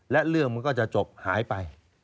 และเรื่องมันก็จะจบหายไป